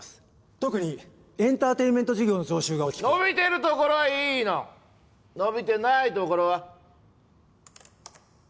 特にエンタテインメント事業の増収が大きく伸びてるところはいいの伸びてないところは？